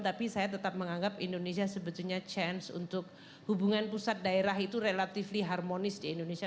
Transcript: tapi saya tetap menganggap indonesia sebetulnya chance untuk hubungan pusat daerah itu relatively harmonis di indonesia